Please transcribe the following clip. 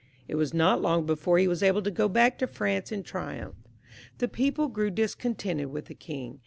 It was not long before he was able to go back to France in triumph. The people grew discontented with the king.